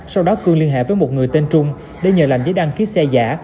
sau đó cương liên hệ với một người tên trung để nhờ làm giấy đăng ký xe giả